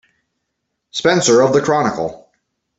Spencer of the Chronicle.